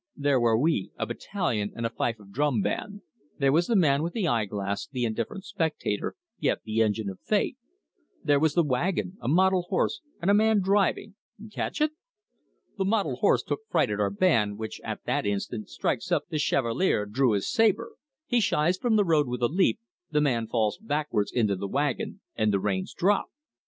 There were we, a battalion and a fife and drum band; there was the man with the eyeglass, the indifferent spectator, yet the engine of fate; there was the wagon, a mottled horse, and a man driving catch it? The mottled horse took fright at our band, which at that instant strikes up 'The Chevalier Drew his Sabre'. He shies from the road with a leap, the man falls backwards into the wagon, and the reins drop.